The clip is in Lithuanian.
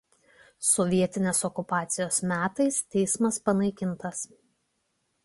Sovietinės okupacijos metais teismas panaikintas.